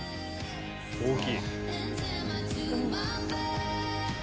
大きい。